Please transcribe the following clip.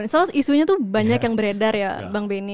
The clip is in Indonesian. soalnya isunya banyak yang beredar ya bang beni